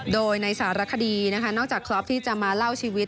นอกจากคลอฟที่จะมาเล่าชีวิต